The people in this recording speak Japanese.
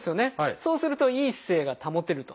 そうするといい姿勢が保てると。